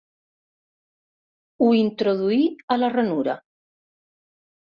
Ho introduí a la ranura.